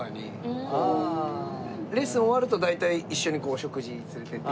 レッスン終わると大体一緒に食事に連れていって頂くので。